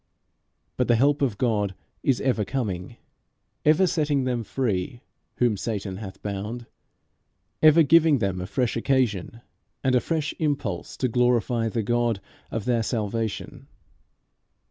But the help of God is ever coming, ever setting them free whom Satan hath bound; ever giving them a fresh occasion and a fresh impulse to glorify the God of their salvation.